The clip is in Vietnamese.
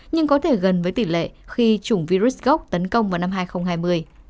nhưng có thể gần với tỷ lệ khi chủng virus tấn công vào năm hai nghìn hai mươi